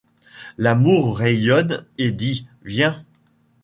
L'amour rayonne et dit : Viens !-